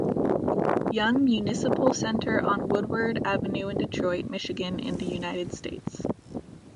Young Municipal Center on Woodward Avenue in Detroit, Michigan, in the United States.